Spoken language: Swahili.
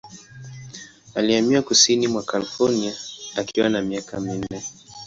Alihamia kusini mwa California akiwa na miaka minne.